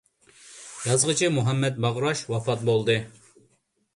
يازغۇچى مۇھەممەت باغراش ۋاپات بولدى.